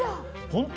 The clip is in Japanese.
本当？